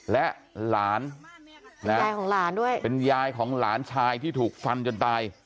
และหลานยายของหลานด้วยเป็นยายของหลานชายที่ถูกฟันจนตาย